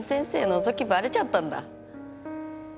のぞきバレちゃったんだ。